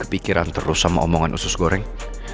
pikiran terus sama omongan usus goreng